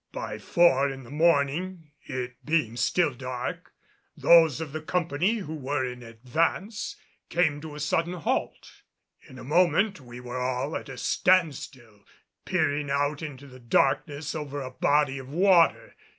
By four of the morning, it being still dark, those of the company who were in advance came to a sudden halt. In a moment we were all at a standstill, peering out into the darkness over a body of water.